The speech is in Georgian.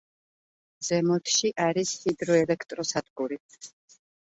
ზემოთში არის ჰიდროელექტროსადგური.